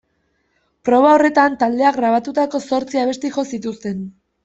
Proba horretan taldeak grabatutako zortzi abesti jo zituzten.